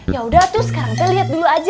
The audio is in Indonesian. yaudah tuh sekarang kita lihat dulu aja